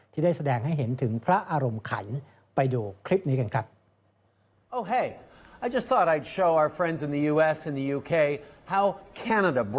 ที่ได้แสดงให้เห็นถึงพระอารมณ์ขันไปดูคลิปนี้กันครับ